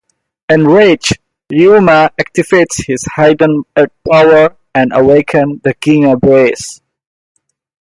Enraged, Ryouma activates his hidden Earth power and awakens the Ginga Braces.